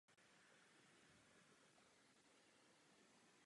Během letu vykonali desítky různých experimentů.